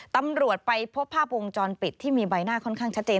ตำรวจไปพบภาพวงจรปิดที่มีใบหน้าค่อนข้างชัดเจน